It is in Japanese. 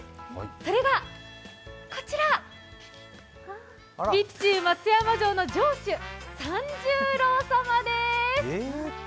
それがこちら、備中松山城の城主・さんじゅーろー様です。